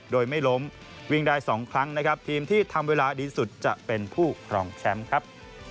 โดยไม่ล้มวิ่งได้๒ครั้งนะครับทีมที่ทำเวลาดีสุดจะเป็นผู้ครองแชมป์ครับ